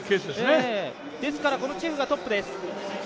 ですから、チェフがトップです。